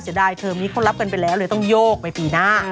เสียดายเทอมนี้เขารับกันไปแล้วเลยต้องโยกไปปีหน้า